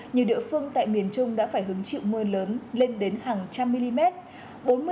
nhiều địa phương tại miền trung đã phải hứng chịu mưa lớn lên đến hàng trăm mm